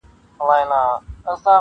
درې څلور ځله یې لیري کړ له کلي -